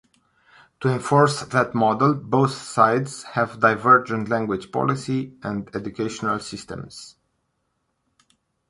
To enforce that model, both sides have divergent language policy and educational systems.